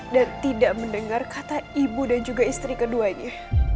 dan tidak mendengar kata ibu dan juga istri keduanya